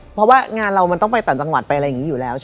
เพราะว่างานเรามันต้องไปต่างจังหวัดไปอะไรอย่างนี้อยู่แล้วใช่ไหม